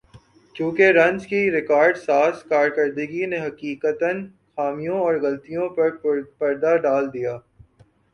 کیونکہ رنز کی ریکارڈ ساز کارکردگی نے حقیقتا خامیوں اور غلطیوں پر پردہ ڈال دیا